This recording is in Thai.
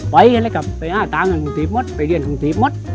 ไปกันเลยครับไปง่าตาเงินกรุงเทพฯหมดไปเรียนกรุงเทพฯหมด